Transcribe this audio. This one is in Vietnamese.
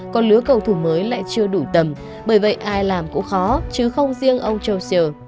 còn lứa cầu thủ mới lại chưa đủ tầm bởi vậy ai làm cũng khó chứ không riêng ông jongsier